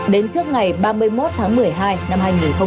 đến trước ngày ba mươi một tháng một mươi hai năm hai nghìn hai mươi